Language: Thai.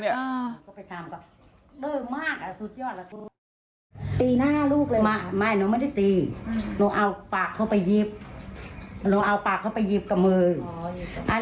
เดี๋ยวให้น้องก็คุยกับท่าน